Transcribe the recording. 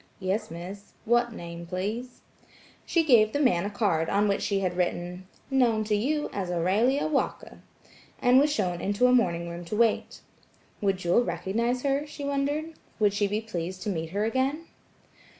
"Yes, Miss–. What name please?" She gave the man a card on which she had written, "Known to you as Aurelia Walker," and was shown into a morning room to wait, Would Jewel recognize her, she wondered. Would she be pleased to meet her again?